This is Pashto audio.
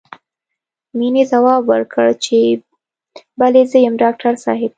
مينې ځواب ورکړ چې بلې زه يم ډاکټر صاحب.